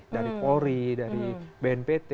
dari polri dari bnpt